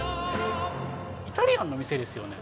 イタリアンの店ですよね？